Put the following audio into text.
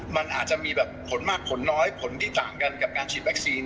มันอาจจะมีแบบผลมากผลน้อยผลที่ต่างกันกับการฉีดวัคซีน